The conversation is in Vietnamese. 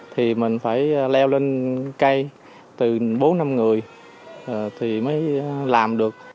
thì mình phải leo lên cây từ bốn năm người thì mới làm được